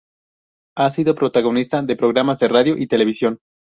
Ha sido protagonista de programas de radio y television.